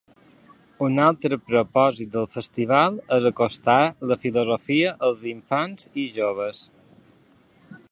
Un altre propòsit del festival és acostar la filosofia als infants i joves.